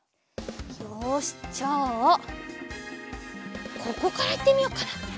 よしじゃあここからいってみよっかな。